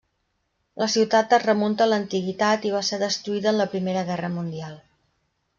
La ciutat es remunta a l'antiguitat i va ser destruïda en la Primera Guerra Mundial.